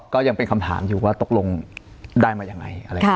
ก็ยังเป็นคำถามอยู่ว่าตกลงได้มาอย่างไร